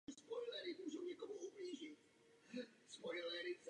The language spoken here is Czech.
Po Napoleonově abdikaci sloužil v královské armádě a stal se generálním inspektorem pěchoty.